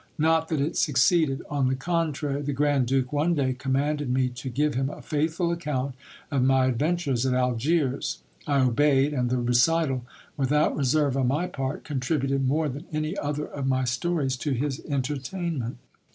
Not that it succeeded : on the contrary, the grand duke one day commanded me to give him a faithful account of my adventures at Algiers. I obeyed ; and the recital, without reserve on my part, contributed more than any other of my stories to his entertainment.